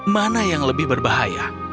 mana yang lebih berbahaya